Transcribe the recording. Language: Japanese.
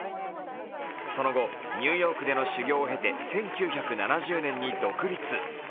その後、ニューヨークでの修業をへて１９７０年に独立。